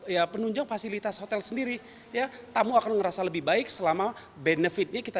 ya penunjang fasilitas hotel sendiri ya tamu akan ngerasa lebih baik selama benefitnya kita